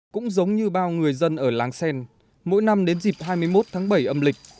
cũng giống như bao người dân ở làng sen mỗi năm đến dịp hai mươi một tháng bảy âm lịch